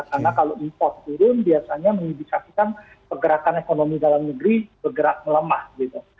karena kalau import turun biasanya mengindikasikan pergerakan ekonomi dalam negeri bergerak melemah gitu